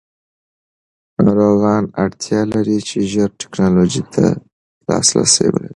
ناروغان اړتیا لري چې ژر ټېکنالوژۍ ته لاسرسی ولري.